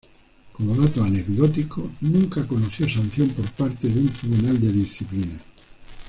Como dato anecdótico, nunca conoció sanción por parte de un tribunal de disciplina.